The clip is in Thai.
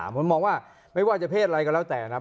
ผมมองว่าไม่ว่าจะเพศอะไรก็แล้วแต่นะครับ